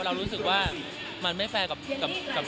เรารู้สึกว่ามันไม่แฟร์กับเด็กของเรา